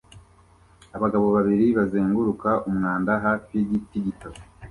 Abagabo babiri bazenguruka umwanda hafi yigiti gito